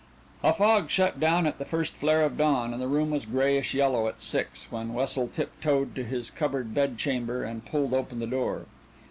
A fog shut down at the first flare of dawn, and the room was grayish yellow at six when Wessel tiptoed to his cupboard bedchamber and pulled open the door.